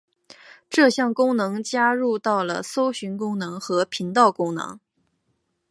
这项功能加入到了搜寻功能和频道功能。